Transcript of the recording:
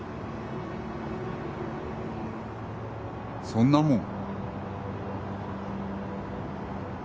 そんなもん？